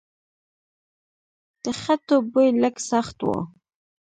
د خټو بوی لږ سخت و.